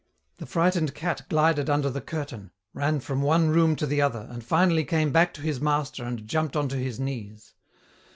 The frightened cat glided under the curtain, ran from one room to the other, and finally came back to his master and jumped onto his knees.